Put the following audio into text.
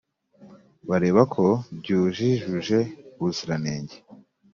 Barebako byujijuje ubuziranenge